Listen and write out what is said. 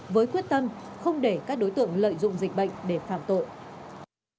với quyết tâm không để các đối tượng lợi dụng dịch bệnh để phạm tội